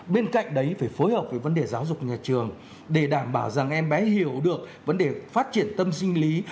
bên cạnh đấy phải phối hợp với vấn đề giáo dục nhà trường để đảm bảo rằng em bé hiểu được vấn đề phát triển tâm sinh lý